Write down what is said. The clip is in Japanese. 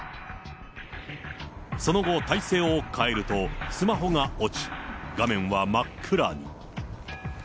その後、体勢を変えると、スマホが落ち、画面は真っ暗に。